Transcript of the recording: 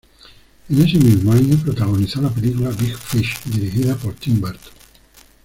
En ese mismo año, protagonizó la película "Big Fish" dirigida por Tim Burton.